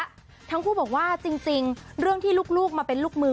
ทั้งคู่บอกว่าจริงเรื่องที่ลูกมาเป็นลูกมือ